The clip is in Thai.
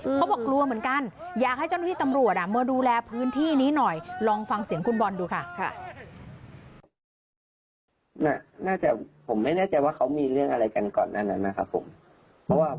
เค้าบอกกลัวเหมือนกันอยากให้เจ้าหนุ่มพี่ตำรวจอ่ะ